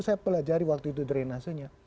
saya pelajari waktu itu drenasenya